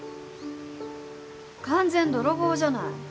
完全泥棒じゃない。